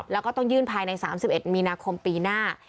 แล้วก็ต้องยื่นภายใน๓๑มีนาคมปีหน้า